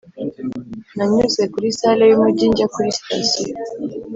nanyuze kuri salle yumujyi njya kuri sitasiyo.